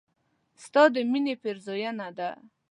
ستا د مينې پيرزوينه ده